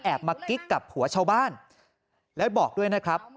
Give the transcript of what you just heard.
มากิ๊กกับผัวชาวบ้านแล้วบอกด้วยนะครับ